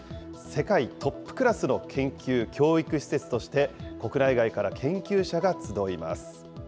世界トップクラスの研究・教育施設として、国内外から研究者が集います。